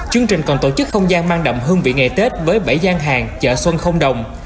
chương trình còn tổ chức không gian mang đậm hương vị ngày tết với bảy gian hàng chợ xuân không đồng